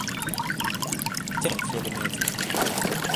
Tek kelime etmedi.